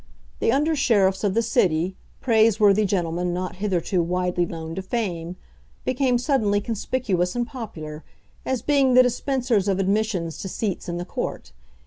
The under sheriffs of the City, praiseworthy gentlemen not hitherto widely known to fame, became suddenly conspicuous and popular, as being the dispensers of admissions to seats in the court.